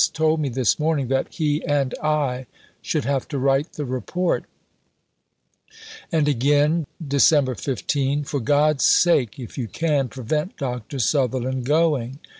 told me this morning that he and I should have to write the Report." And again (Dec. 15): "For God's sake, if you can, prevent Dr. Sutherland going."